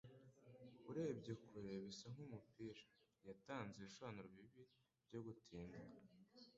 Urebye kure, bisa nkumupira. Yatanze ibisobanuro bibi byo gutinda.